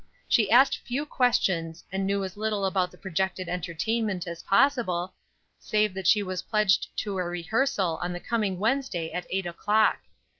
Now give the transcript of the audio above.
She asked few questions, and knew as little about the projected entertainment as possible, save that she was pledged to a rehearsal on the coming Wednesday at eight o'clock.